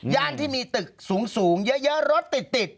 ที่มีตึกสูงเยอะรถติด